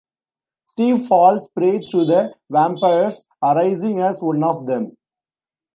Steve falls prey to the vampires, arising as one of them.